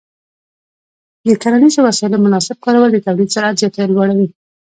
د کرنیزو وسایلو مناسب کارول د تولید سرعت لوړوي.